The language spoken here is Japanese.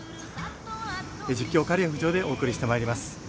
実況刈屋富士雄でお送りしてまいります。